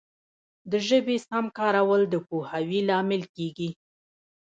د ژبي سم کارول د پوهاوي لامل کیږي.